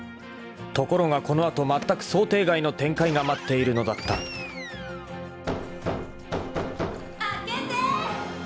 ところがこの後まったく想定外の展開が待っているのだった］・・開けて！